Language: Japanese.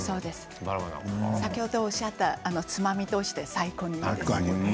先ほどおっしゃったつまみとして最高です。